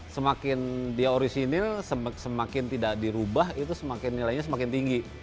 semakin dia orisinil semakin tidak dirubah itu semakin nilainya semakin tinggi